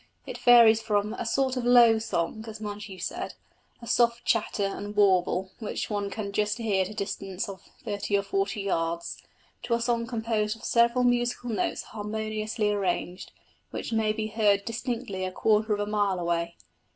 It varies from "a sort of low song," as Montagu said, a soft chatter and warble which one can just hear at a distance of thirty or forty yards, to a song composed of several musical notes harmoniously arranged, which may be heard distinctly a quarter of a mile away.